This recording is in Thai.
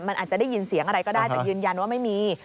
มันอาจจะได้ยินเสียงอะไรก็ได้แต่ยืนยันว่าไม่มี